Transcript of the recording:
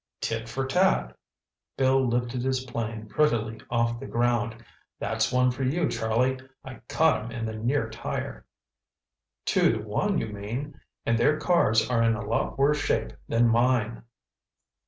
"Tit for tat." Bill lifted his plane prettily off the ground. "That's one for you, Charlie. I caught 'em in the near tire." "Two to one, you mean. And their cars are in a lot worse shape than mine."